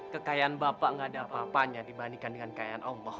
kekayaan bapak gak ada apa apanya dibandingkan dengan kekayaan allah